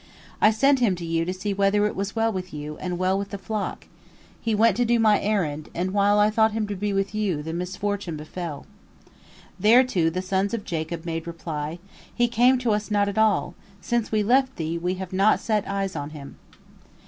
I sent him to you to see whether it was well with you, and well with the flock. He went to do my errand, and while I thought him to be with you, the misfortune befell." Thereto the sons of Jacob made reply: "He came to us not at all. Since we left thee, we have not set eyes on him."